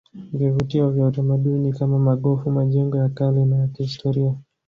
Vivutio vya utamaduni ni kama magofu majengo ya kale na ya kihistoria